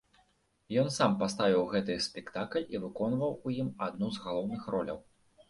Ён сам паставіў гэты спектакль і выконваў у ім адну з галоўных роляў.